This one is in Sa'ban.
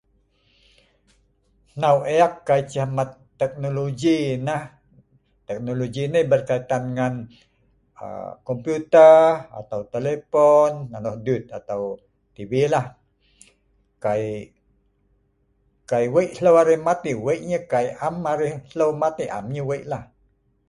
Hnau ek kai ceh mat tehnologi nah, tehnologi nai berkaitan ngan aaa kompoter, atau telephone, nonoh dut atau TV lah. Kai wei' hleu arai mat yah, wei' nah yah. Kai arai am hleu mat yah, am yah wei' lah'.